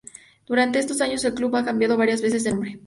Durante estos años el club ha cambiado varias veces de nombre.